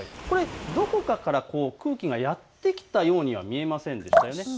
どこかから空気がやって来たようには見えませんでしたよね。